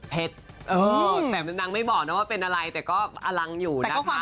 เออแต่นางไม่บอกนะว่าเป็นอะไรแต่ก็อลังอยู่นะคะ